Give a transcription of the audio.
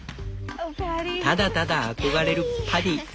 ただただ憧れるパディ。